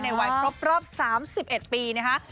ในวัยครอบ๓๑ปีนะฮะ